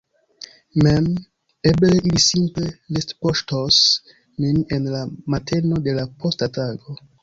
Mmm, eble ili simple retpoŝtos min en la mateno de la posta tago.